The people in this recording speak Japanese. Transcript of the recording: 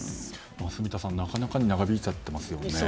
住田さん、なかなかに長引いちゃってますね。